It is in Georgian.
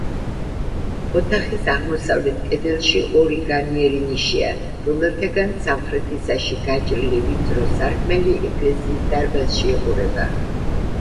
ოთახის აღმოსავლეთ კედელში ორი განიერი ნიშია, რომელთაგან სამხრეთისაში გაჭრილი ვიწრო სარკმელი ეკლესიის დარბაზში იყურება.